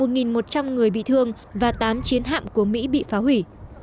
một một trăm linh người bị thương và tám chiến hạm của mỹ bị phá hủy